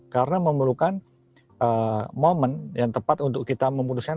karena memerlukan momen yang tepat untuk kita memutuskan